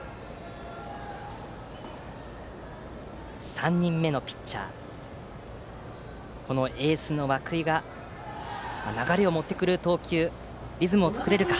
３人目のピッチャーエースの涌井が流れを持ってくる投球リズムを作れるか。